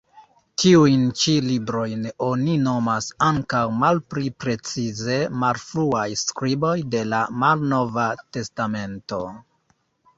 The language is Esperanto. Tiujn ĉi librojn oni nomas ankaŭ, malpli precize, "malfruaj skriboj de la Malnova Testamento".